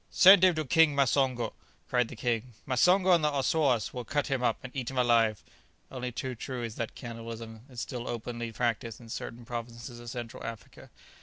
"Send him to King Masongo!" cried the king; "Masongo and the Assuas will cut him up and eat him alive." Only too true it is that cannibalism is still openly practised in certain provinces of Central Africa.